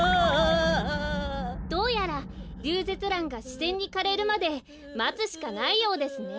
どうやらリュウゼツランがしぜんにかれるまでまつしかないようですね。